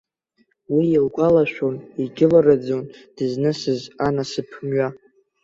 Уи илгәалашәон, егьылраӡон, дызнысыз анасыԥ мҩа.